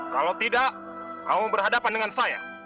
kalau tidak kamu berhadapan dengan saya